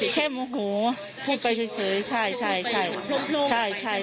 แค่โมโหพูดไปเฉย